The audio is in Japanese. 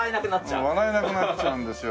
うん笑えなくなっちゃうんですよ